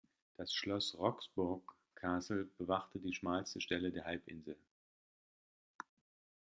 Das Schloss Roxburgh Castle bewachte die schmalste Stelle der Halbinsel.